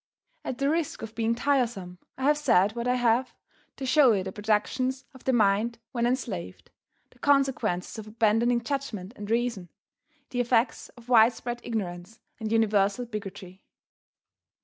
At the risk of being tiresome, I have said what I have, to show you the productions of the mind when enslaved the consequences of abandoning judgment and reason the effects of wide spread ignorance and universal bigotry.